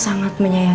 apa kamu tuhan